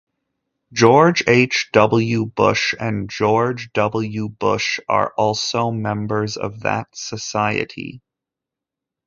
George H. W. Bush and George W. Bush are also members of that society.